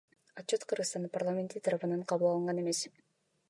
Отчет Кыргызстандын парламенти тарабынан кабыл алынган эмес.